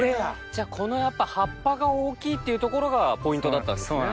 じゃあこの葉っぱが大きいっていうところがポイントだったんですね。